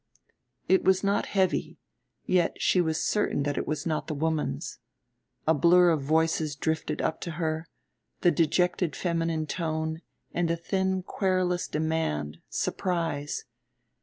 It was not heavy, yet she was certain that it was not the woman's. A blur of voices drifted up to her, the dejected feminine tone and a thin querulous demand, surprise.